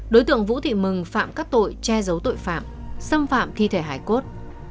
đối tượng vũ thị mừng phạm các tội che giấu tội phạm xâm phạm thi thể hải cốt